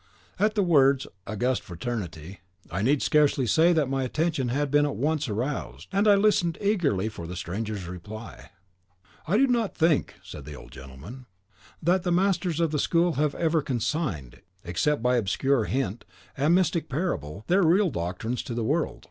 At the words, "august fraternity," I need scarcely say that my attention had been at once aroused, and I listened eagerly for the stranger's reply. "I do not think," said the old gentleman, "that the masters of the school have ever consigned, except by obscure hint and mystical parable, their real doctrines to the world.